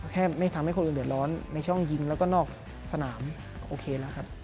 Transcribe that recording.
ไม่ทำให้คนอื่นเดือดร้อนในช่องยิงแล้วก็นอกสนามโอเคแล้วครับ